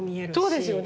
そうですよね。